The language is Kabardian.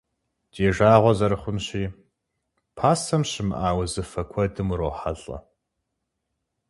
Ди жагъуэ зэрыхъунщи, пасэм щымыӏа узыфэ куэдым урохьэлӏэ.